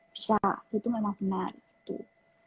bisa itu memang benar